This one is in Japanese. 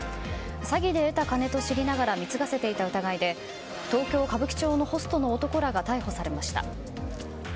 詐欺で得た金と知りながら貢がせていた疑いで東京・歌舞伎町のホストの男らが逮捕されました。